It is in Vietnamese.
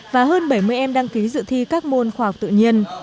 và hơn bảy mươi em đăng ký dự thi các môn khoa học tự nhiên